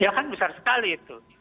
ya kan besar sekali itu